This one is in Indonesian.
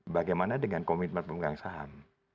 bagaimana dengan komitmen pemegang saham